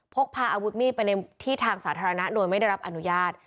พกพาอาวุธมีดไปในที่ทางสาธารณะโดยไม่ได้รับอนุญาต